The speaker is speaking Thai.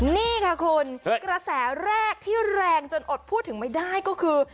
นี่ค่ะคุณกระแสแรกที่แรงจนอดพูดถึงไม่ได้ก็คือ